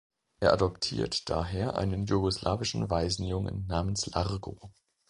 Er adoptiert daher einen jugoslawischen Waisenjungen namens Largo.